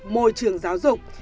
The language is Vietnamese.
môi trường giáo dục